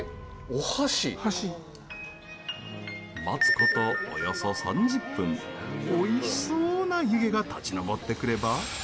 待つこと、およそ３０分おいしそうな湯気が立ち上ってくれば。